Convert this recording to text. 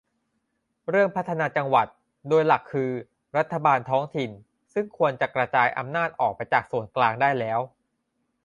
เรื่องพัฒนาจังหวัด โดยหลักคือรัฐบาลท้องถิ่น ซึ่งควรจะกระจายอำนาจออกไปจากส่วนกลางได้แล้ว